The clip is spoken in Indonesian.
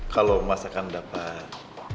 kalau mas akan dapat